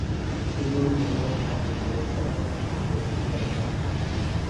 পুতুল, মুখোশ, মাটির জিনিসপত্র ভাস্কর্যের উদাহরণ।